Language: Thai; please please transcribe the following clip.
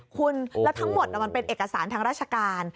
คุณแล้วทั้งหมดมันเป็นเอกสารทางราชการ